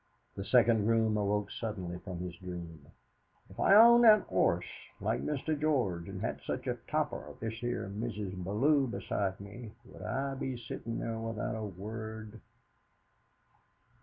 The second groom awoke suddenly from his dream. "If I owned that 'orse, like Mr. George, and had such a topper as this '.re Mrs. Bellew beside me, would I be sittin' there without a word?"